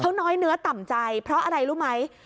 เขาน้อยเนื้อต่ำใจเพราะอะไรรู้ไหม